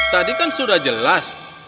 tadi kan sudah jelas